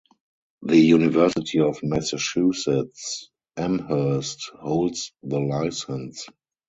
The University of Massachusetts Amherst holds the license.